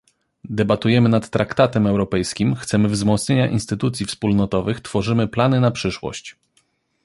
Debatujemy nad traktatem europejskim, chcemy wzmocnienia instytucji wspólnotowych, tworzymy plany na przyszłość